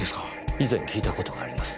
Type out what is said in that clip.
以前聞いた事があります。